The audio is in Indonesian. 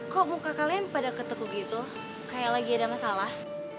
kok muka kalian pada ketekuk gitu kayak lagi ada masalah